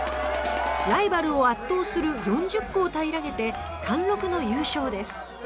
ライバルを圧倒する４０個を平らげて貫禄の優勝です。